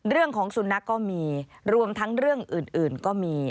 เรื่องของสุนัขก็มีรวมทั้งเรื่องอื่นก็มี